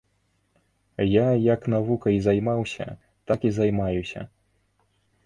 Я як навукай займаўся, так і займаюся.